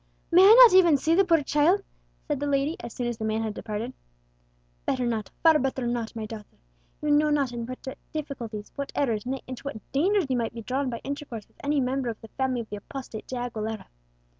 "May I not even see the poor child?" said the lady, as soon as the man had departed. "Better not, far better not, my daughter. You know not into what difficulties, what errors, nay, into what dangers you might be drawn by intercourse with any member of the family of the apostate De Aguilera."